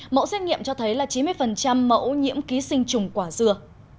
mẫu xét nghiệm cho thấy là chín mươi mẫu nhiễm ký sinh trùng quả dừa